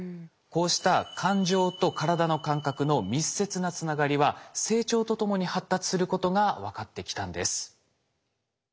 こうした感情と体の感覚の密接なつながりは成長とともに発達することが分かってきたんです。